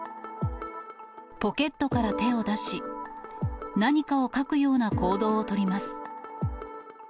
ポケットから手を出し、何かを書くような行動を取ります。